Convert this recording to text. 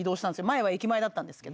前は駅前だったんですけど。